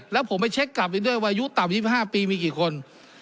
แล้วผมไปเช็คกลับอีกด้วยว่าอายุต่ำ๒๕ปีมีกี่คน